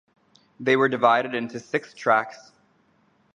They were divided into six tracks.